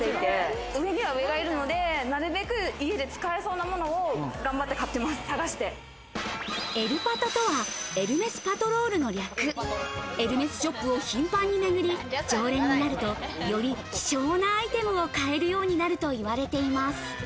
エルパトをしていて、上には上がいるので、なるべく家で使えそうなものをエルパトとはエルメスパトロールの略、エルメスショップを頻繁にめぐり、常連になると、より希少なアイテムを買えるようになるといわれています。